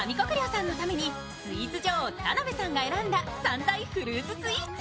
さんのためにスイーツ女王・田辺さんが選んだ３大フルーツスイーツ。